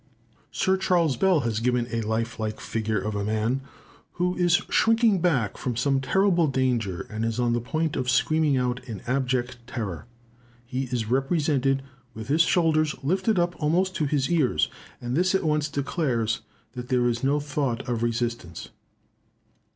Sir C. Bell has given a life like figure of a man, who is shrinking back from some terrible danger, and is on the point of screaming out in abject terror. He is represented with his shoulders lifted up almost to his ears; and this at once declares that there is no thought of resistance.